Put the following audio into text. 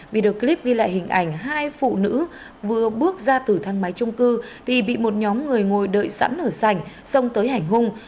video clip ghi lại hình ảnh hai phụ nữ vừa bước ra từ thang máy trung cư thì bị một nhóm người ngồi đợi sẵn ở sành xông tới hành hung